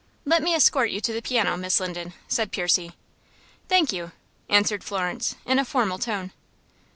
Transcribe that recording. "Let me escort you to the piano, Miss Linden," said Percy. "Thank you," answered Florence, in a formal tone.